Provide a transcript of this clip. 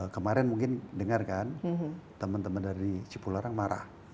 kemarin mungkin dengar kan teman teman dari cipularang marah